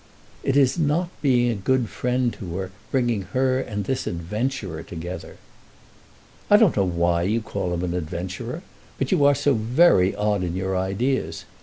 "It is not being a good friend to her, bringing her and this adventurer together." "I don't know why you call him an adventurer. But you are so very odd in your ideas!